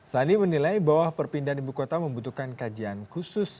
sandi menilai bahwa perpindahan ibu kota membutuhkan kajian khusus